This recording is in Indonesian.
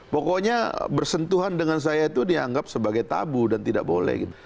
pokoknya bersentuhan dengan saya itu dianggap sebagai tabu dan tidak boleh